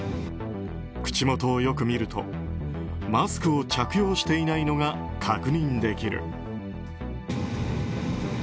口元をよく見るとマスクを着用していないのが確認できる。